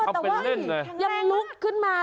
แต่ว่ายังลุกขึ้นมา